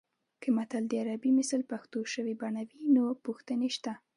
که متل د عربي مثل پښتو شوې بڼه وي نو پوښتنې شته